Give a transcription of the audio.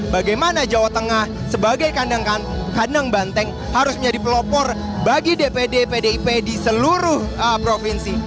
bagaimana jawa tengah sebagai kandang banteng harus menjadi pelopor bagi dpd pdip di seluruh provinsi